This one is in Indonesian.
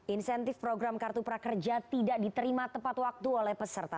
insentif program kartu prakerja tidak diterima tepat waktu oleh peserta